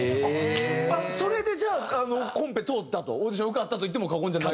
それでじゃあコンペ通ったとオーディション受かったと言っても過言じゃない？